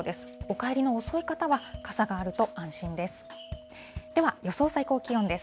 お帰りの遅い方は傘があると安心です。